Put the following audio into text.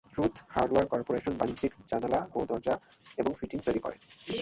Truth Hardware Corporation বাণিজ্যিক জানালা ও দরজা এবং ফিটিং তৈরি করে।